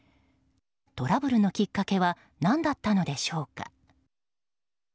トラブルのきっかけは何だったのでしょうか。